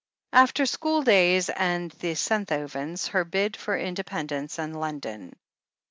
After school days and the Senthovens, her bid for independence and London.